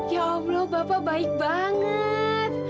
ya allah bapak baik banget